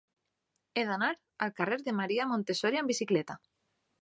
He d'anar al carrer de Maria Montessori amb bicicleta.